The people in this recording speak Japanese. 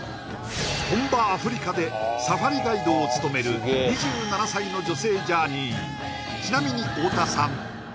本場アフリカでサファリガイドを務める２７歳の女性ジャーニーちなみに太田さん